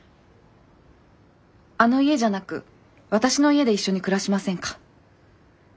あの家じゃなく私の家で一緒に暮らしませんか？